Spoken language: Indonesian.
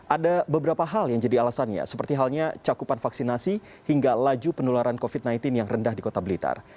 ada beberapa hal yang jadi alasannya seperti halnya cakupan vaksinasi hingga laju penularan covid sembilan belas yang rendah di kota blitar